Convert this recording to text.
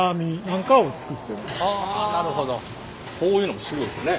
こういうのもすごいですよね。